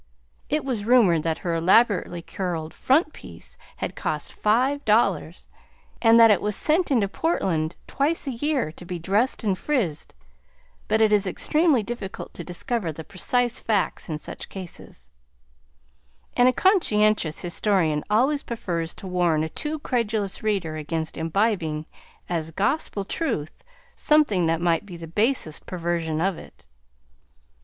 It was rumored that her elaborately curled "front piece" had cost five dollars, and that it was sent into Portland twice a year to be dressed and frizzed; but it is extremely difficult to discover the precise facts in such cases, and a conscientious historian always prefers to warn a too credulous reader against imbibing as gospel truth something that might be the basest perversion of it.